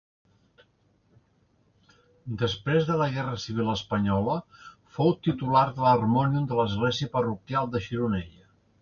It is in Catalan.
Després de la Guerra Civil espanyola fou titular de l'harmònium de l'Església Parroquial de Gironella.